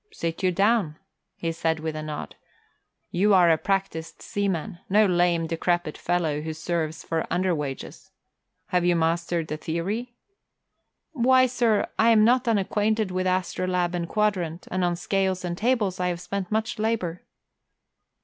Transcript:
"Sit you down," he said with a nod. "You are a practised seaman, no lame, decrepit fellow who serves for underwages. Have you mastered the theory?" "Why, sir, I am not unacquainted with astrolabe and quadrant, and on scales and tables I have spent much labour."